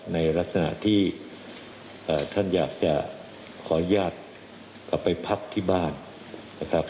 ในลักษณะที่ท่านอยากจะขออนุญาตกลับไปพักที่บ้านนะครับ